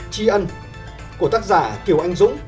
chi ân của tác giả kiều anh dũng